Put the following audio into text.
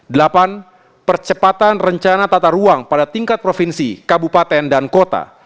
delapan percepatan rencana tata ruang pada tingkat provinsi kabupaten dan kota